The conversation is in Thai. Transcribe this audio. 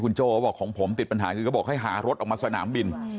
คุณโจ้บอกของผมติดปัญหาก็ให้หารถอดออกมาสนามบิน